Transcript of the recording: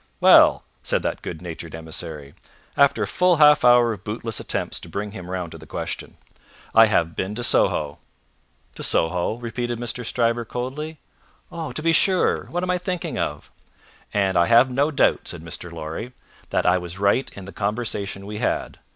"Well!" said that good natured emissary, after a full half hour of bootless attempts to bring him round to the question. "I have been to Soho." "To Soho?" repeated Mr. Stryver, coldly. "Oh, to be sure! What am I thinking of!" "And I have no doubt," said Mr. Lorry, "that I was right in the conversation we had.